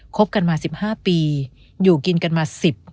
คบกันมาสิบห้าปีอยู่กินกันมาสิบ